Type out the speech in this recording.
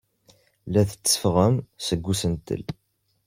La tetteffɣem seg usentel.